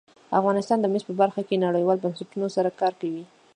افغانستان د مس په برخه کې نړیوالو بنسټونو سره کار کوي.